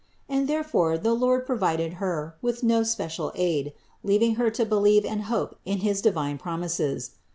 And therefore the Lord provided Her with no spe cial aid, leaving Her to her belief and hope in his divine promises.